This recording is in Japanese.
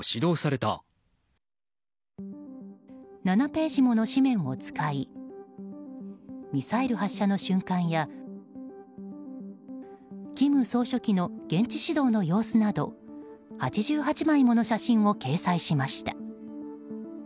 ７ページもの紙面を使いミサイル発射の瞬間や金総書記の現地指導の様子など８８枚もの写真を掲載しました。